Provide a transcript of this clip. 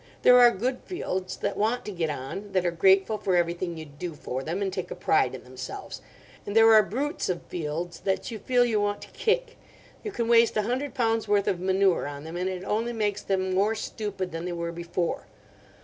There are good fields that want to get on—that are grateful for everything you do for them, and take a pride in themselves. And there are brutes of fields that you feel you want to kick. You can waste a hundred pounds' worth of manure on them, and it only makes them more stupid than they were before.